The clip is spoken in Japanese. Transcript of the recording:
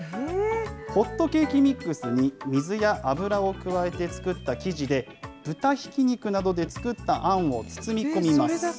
ホットケーキミックスに水や油を加えて作った生地で、豚ひき肉などで作ったあんを包み込みます。